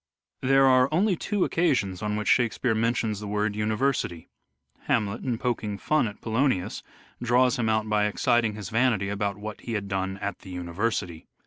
There are only two occasions on which Shake speare mentions the word " university." Hamlet, in poking fun at Polonius, draws him out by exciting his vanity about what he had done "at the university."